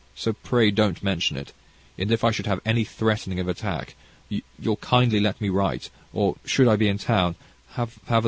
So pray don't mention it; and, if I should have any threatening of an attack, you'll kindly let me write, or, should I be in town, have a little talk with you."